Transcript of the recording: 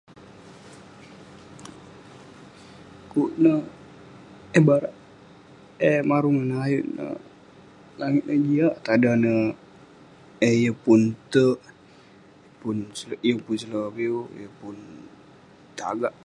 Kuk neh eh barak eh marung ineh ayuk neh- langit ineh jiak, tada neh eh yeng pun terk. Yeng pun seloviu, yeng pun tagak.